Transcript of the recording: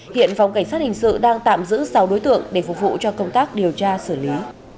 hiện phòng cảnh sát hình sự đang tạm giữ sáu đối tượng để phục vụ cho công tác điều tra xử lý